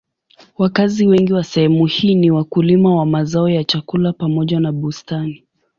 Wakazi wengi wa sehemu hii ni wakulima wa mazao ya chakula pamoja na bustani.